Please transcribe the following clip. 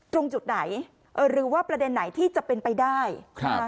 ตรงจุดไหนเออหรือว่าประเด็นไหนที่จะเป็นไปได้ครับ